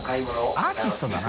アーティストだな。